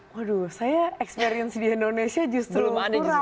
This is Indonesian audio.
waduh saya experience di indonesia justru kurang